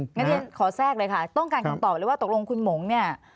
งั้นเรียนขอแทรกเลยค่ะต้องการคำตอบเลยว่าตกลงคุณหมงเนี่ย